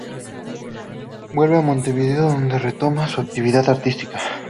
Vuelve a Montevideo, donde retoma su actividad artística.